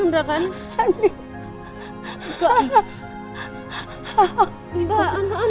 mbak aku gak bohongkan